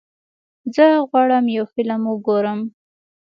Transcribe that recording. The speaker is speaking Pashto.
زه غواړم یو فلم وګورم.